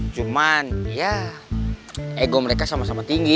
cuman ya ego mereka sama sama tinggi